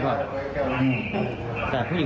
พระคุณที่อยู่ในห้องการรับผู้หญิง